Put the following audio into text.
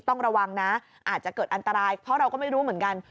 ต้องระวังนะอาจจะเกิดอันตรายเพราะเราก็ไม่รู้เหมือนกัน